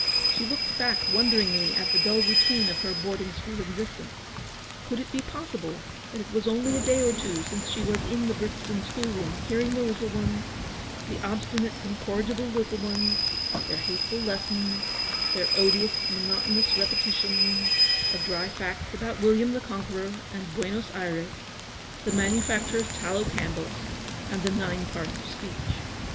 She looked back wonderingly at UPON THE THRESHOLD OF A GREAT SORROW. 83 the dull routine of her boarding school existence. Could it be possible that it was only a day or two since she was in the Brixton school room hearing the little ones, the obstinate, incorrigible little ones, their hateful lessons, — their odious monoto nous repetitions of dry facts about William the Conqueror and Buenos Ayres, the manufacture of tallow candles, and the nine parts of speech